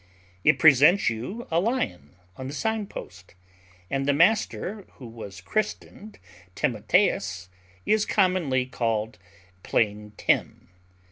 It presents you a lion on the sign post: and the master, who was christened Timotheus, is commonly called plain Tim.